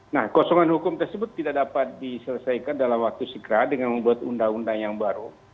nah kosongan hukum tersebut tidak dapat diselesaikan dalam waktu segera dengan membuat undang undang yang baru